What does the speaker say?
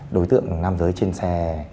đối tượng nam giới trên xe